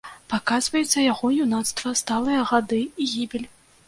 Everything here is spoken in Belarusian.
Паказваецца яго юнацтва, сталыя гады і гібель.